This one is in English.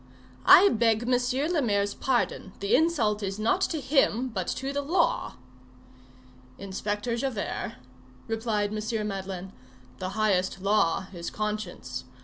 "I beg Monsieur le Maire's pardon. The insult is not to him but to the law." "Inspector Javert," replied M. Madeleine, "the highest law is conscience.